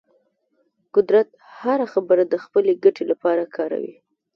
قدرت هره خبره د خپلې ګټې لپاره کاروي.